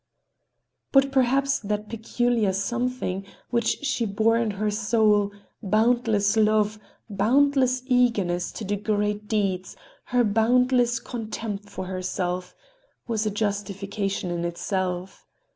But perhaps that peculiar something which she bore in her soul—boundless love, boundless eagerness to do great deeds, her boundless contempt for herself—was a justification in itself.